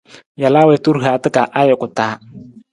Jalaa wiitu rihaata ka ajuku taa.